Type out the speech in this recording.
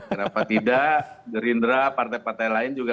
kenapa tidak gerindra partai partai lain juga